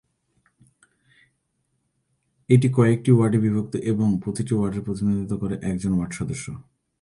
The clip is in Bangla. এটি কয়েকটি ওয়ার্ডে বিভক্ত এবং প্রতিটি ওয়ার্ডের প্রতিনিধিত্ব করে একজন ওয়ার্ড সদস্য।